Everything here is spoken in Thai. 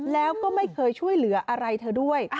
แล้วก็ไม่เคยช่วยเหลืออะไรเธอด้วย